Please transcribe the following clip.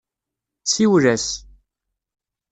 Siwel-as.